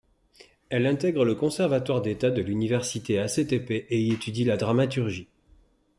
Elle intègre le conservatoire d'État de l'université Hacettepe et y étudie la dramaturgie.